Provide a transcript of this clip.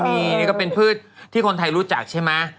มีนี่ก็เป็นพืชที่คนไทยรู้จักใช่ไหม